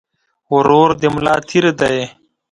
ورور د ملا تير دي